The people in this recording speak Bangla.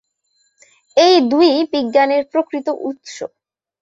এই দুইই বিজ্ঞানের প্রকৃত উৎস।